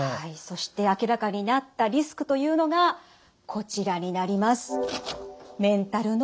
そして明らかになったリスクというのがこちらになります。